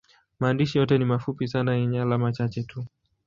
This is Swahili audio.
Maandishi yote ni mafupi sana yenye alama chache tu.